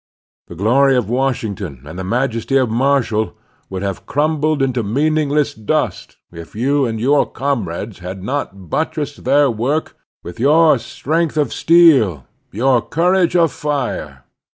The glory of Washington and the majesty of Marshall would have crumbled into meaningless dust if you and your comrades had not buttressed their work with your strength of steel, your courage of fire.